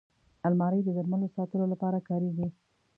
الماري د درملو ساتلو لپاره کارېږي